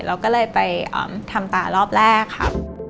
เราก็เลยไปทำตารอบแรกค่ะ